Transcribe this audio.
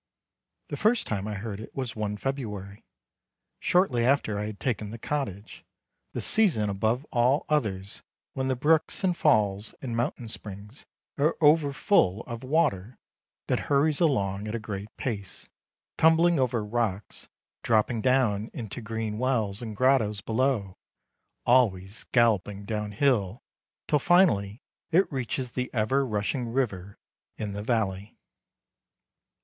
The first time I heard it was one February—shortly after I had taken the cottage—the season above all others when the brooks and falls and mountain springs are over full of water, that hurries along at a great pace, tumbling over rocks, dropping down into green wells and grottos below, always galloping down hill till finally it reaches the ever rushing river in the valley.